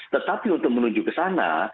tetapi untuk menuju ke sana